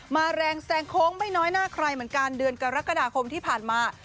แรงแซงโค้งไม่น้อยหน้าใครเหมือนกันเดือนกรกฎาคมที่ผ่านมา